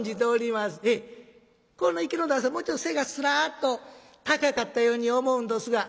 もうちょっと背がすらっと高かったように思うんどすが」。